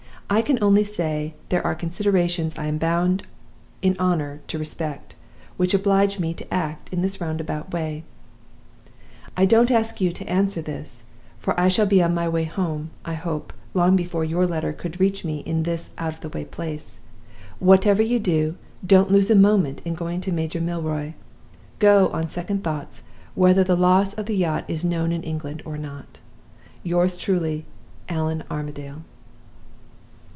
I can only say there are considerations I am bound in honor to respect, which oblige me to act in this roundabout way. "I don't ask you to answer this, for I shall be on my way home, I hope, long before your letter could reach me in this out of the way place. Whatever you do, don't lose a moment in going to Major Milroy. Go, on second thoughts, whether the loss of the yacht is known in England or not. "Yours truly, ALLAN ARMADALE."